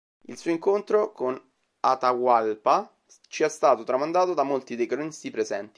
Il suo incontro con Atahuallpa ci è stato tramandato da molti dei cronisti presenti.